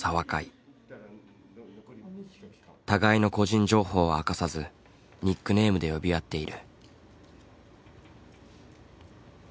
互いの個人情報は明かさずニックネームで呼び合っている。